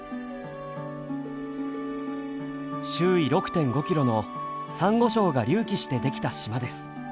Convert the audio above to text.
周囲６．５キロのさんご礁が隆起してできた島です。